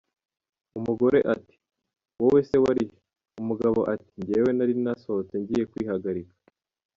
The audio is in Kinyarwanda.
Umugore ati “wowe se wari he?” Umugabo ati “njyewe nari nasohotse ngiye kwihagarika”.